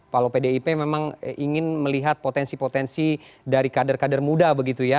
kalau pdip memang ingin melihat potensi potensi dari kader kader muda begitu ya